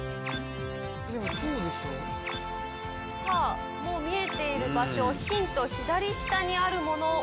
さぁもう見えている場所ヒント左下にあるもの。